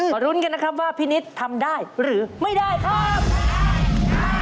รุ้นกันนะครับว่าพี่นิดทำได้หรือไม่ได้ครับ